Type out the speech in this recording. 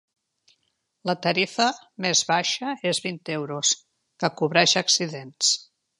La tarifa més baixa és vint euros, que cobreix accidents.